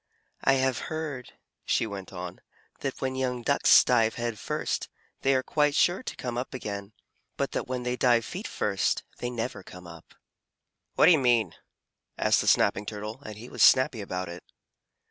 "I have heard," she went on, "that when young Ducks dive head first, they are quite sure to come up again, but that when they dive feet first, they never come up." "What do you mean?" asked the Snapping Turtle, and he was snappy about it.